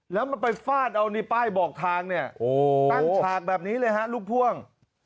แล้วมันไปฟาดเอาในป้ายบอกทางเนี่ยตั้งฉากแบบนี้เลยฮะลูกพ่วง